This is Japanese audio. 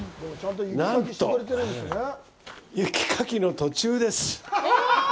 なんと、雪かきの途中です。